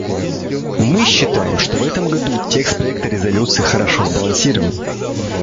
Мы считаем, что в этом году текст проекта резолюции хорошо сбалансирован.